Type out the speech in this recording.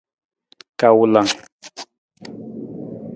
Kawulang.